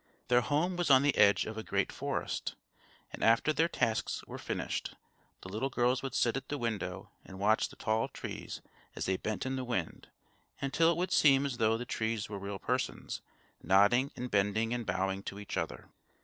Their home was on the edge of a great forest; and after their tasks were finished the little girls would sit at the window and watch the tall trees as they bent in the wind, until it would seem as though the trees were real persons, nodding and bending and bowing to each other.